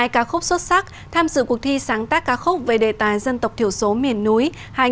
hai mươi hai ca khúc xuất sắc tham dự cuộc thi sáng tác ca khúc về đề tài dân tộc thiểu số miền núi hai nghìn một mươi tám